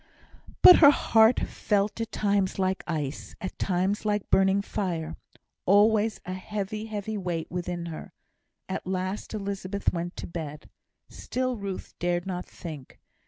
But her heart felt at times like ice, at times like burning fire; always a heavy, heavy weight within her. At last Elizabeth went to bed. Still Ruth dared not think.